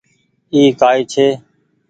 اي ڪائي ڇي۔